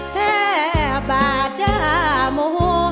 แท้บาทยาโมโฮ